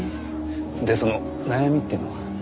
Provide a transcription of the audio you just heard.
でその悩みっていうのは？